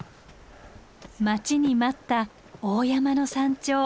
待ちに待った大山の山頂